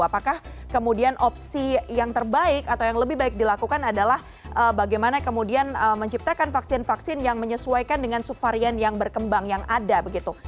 apakah kemudian opsi yang terbaik atau yang lebih baik dilakukan adalah bagaimana kemudian menciptakan vaksin vaksin yang menyesuaikan dengan subvarian yang berkembang yang ada begitu